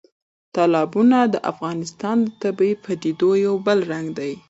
تالابونه د افغانستان د طبیعي پدیدو یو بل رنګ دی.